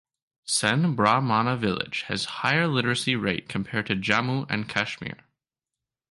Sen Brahmana village has higher literacy rate compared to Jammu and Kashmir.